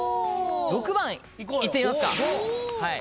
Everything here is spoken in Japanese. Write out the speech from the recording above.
６番いってみますか。